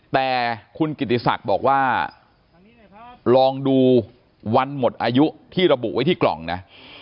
แต่คุณกิติศักดิ์บอกว่าลองดูวันหมดอายุที่ระบุไว้ที่กล่องนะ